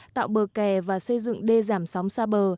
tạo bờ kè và xây dựng đê giảm sóng xa bờ